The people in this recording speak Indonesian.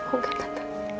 oh ya kan